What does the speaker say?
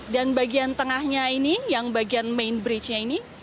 dan bagian tengahnya ini yang bagian main bridge nya ini